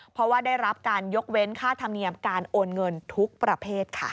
เพราะว่าได้รับการยกเว้นค่าธรรมเนียมการโอนเงินทุกประเภทค่ะ